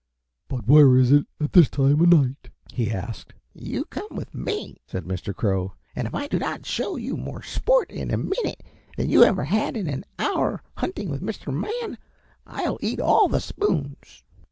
"But where is it at this time of night?" he asked. "You come with me," said Mr. Crow, "and if I do not show you more sport in a minute than you ever had in an hour hunting with Mr. Man, I'll eat all the spoons."